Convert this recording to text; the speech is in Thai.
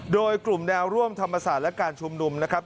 โดยกลุ่มแนวร่วมธรรมศาสตร์และการชุมนุมนะครับ